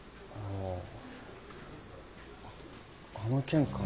あっあの件かな。